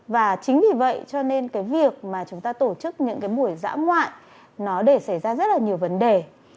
và chính vì vậy cho nên cái việc mà chúng ta tổ chức những cái buổi dã ngoại nó để xảy ra rất là nhiều vấn đề